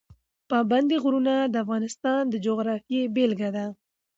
پابندی غرونه د افغانستان د جغرافیې بېلګه ده.